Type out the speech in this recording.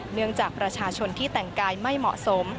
เนื่องจากประชาชนที่แต่งกายไม่เหมาะสม